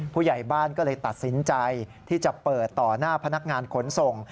ผู้ใหญ่บ้านก็เลยตัดสินใจที่จะเปิดต่อหน้าพนักงานขนส่ง